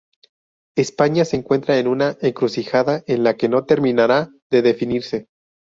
España se encuentra en una encrucijada en la que no terminará de definirse.